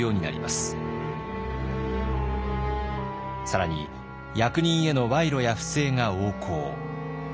更に役人への賄賂や不正が横行。